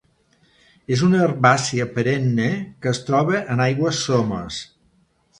És una herbàcia perenne que es troba en aigües somes.